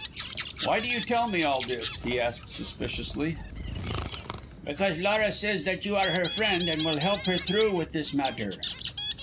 "Why do you tell me all this?" he asked suspiciously. "Because Laura says that you are her friend, and will help her through with this matter."